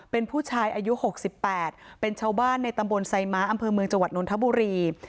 เป็นผู้ชายอายุ๖๘เป็นชาวบ้านในตำบลไซม้าอำเภอเมืองจังหวัดนทบุรี